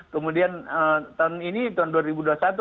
kemudian tahun ini tahun dua ribu dua puluh satu